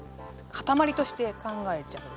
かたまりとして考えちゃう。